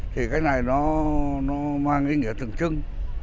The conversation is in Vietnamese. thì cái này nó mang ý nghĩa tưởng chứng